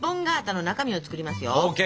ＯＫ！